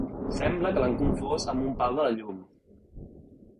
Sembla que l'han confós amb un pal de la llum.